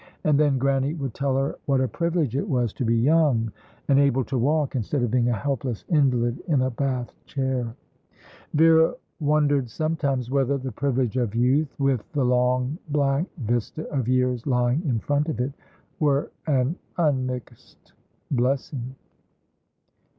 And then Grannie would tell her what a privilege it was to be young, and able to walk, instead of being a helpless invalid in a Bath chair. Vera wondered sometimes whether the privilege of youth, with the long blank vista of years lying in front of it, were an unmixed blessing.